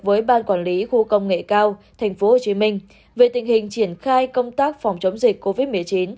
với ban quản lý khu công nghệ cao thành phố hồ chí minh về tình hình triển khai công tác phòng chống dịch covid một mươi chín